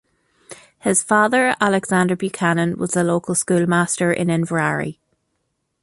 His father, Alexander Buchanan, was the local schoolmaster in Inverary.